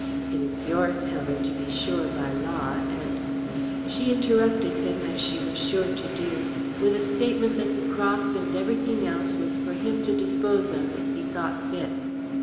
It is yours, Helen, to be sure, by law, and " She interrupted him, as she was sure to do, with a statement that the cross and everything else was for him to dispose of as he thought fit.